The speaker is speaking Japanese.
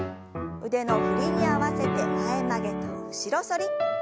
腕の振りに合わせて前曲げと後ろ反り。